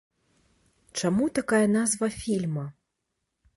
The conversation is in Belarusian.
Чаму такая назва фільма?